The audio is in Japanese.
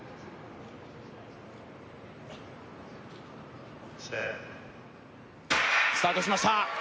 Ｓｅｔスタートしました